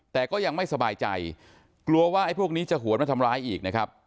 แต่ก็ยังไม่สบายใจกลัวว่าไอ้พวกนี้จะหวนมาทำร้ายอีกนะครับ